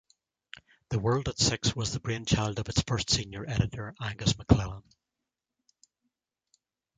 "The World at Six" was the brainchild of its first senior editor, Angus McLellan.